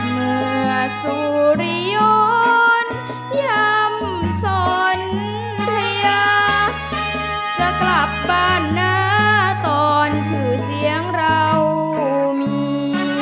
เมื่อสุริย้อนยำสนทยาจะกลับบ้านนะตอนชื่อเสียงเรามี